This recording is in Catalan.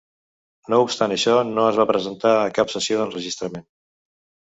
No obstant això, no es va presentar a cap sessió d'enregistrament.